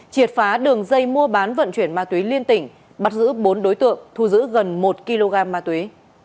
triệt phá đường dây mua bán vận chuyển ma túy liên tỉnh bắt giữ bốn đối tượng thu giữ gần một kg ma túy